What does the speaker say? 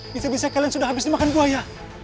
bisa bisa kalian sudah habis dimakan buah ya